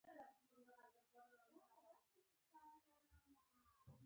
دوکاندار د بې وزلو مرسته پټوي.